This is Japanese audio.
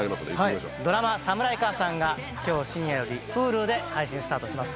ドラマ『サムライカアサン』が今日深夜よりＨｕｌｕで配信スタートします。